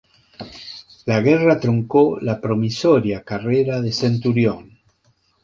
La guerra truncó la promisoria carrera de Centurión.